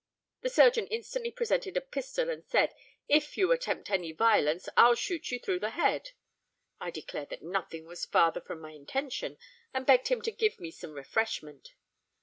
The surgeon instantly presented a pistol, and said, 'If you attempt any violence, I'll shoot you through the head.' I declared that nothing was farther from my intention, and begged him to give me some refreshment.